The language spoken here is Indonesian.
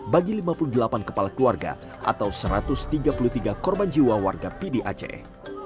bagi lima puluh delapan kepala keluarga atau satu ratus tiga puluh tiga korban jiwa warga pdi aceh